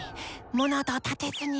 物音を立てずに！